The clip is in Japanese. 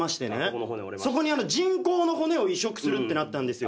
そこに人工の骨を移植するってなったんですよ。